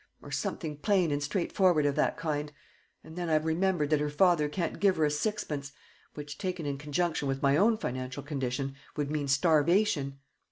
or something plain and straightforward of that kind; and then I've remembered that her father can't give her a sixpence, which, taken in conjunction with my own financial condition, would mean starvation!"